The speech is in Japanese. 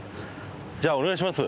じゃあお願いします。